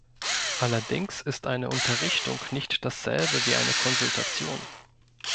Allerdings ist eine Unterrichtung nicht dasselbe wie eine Konsultation.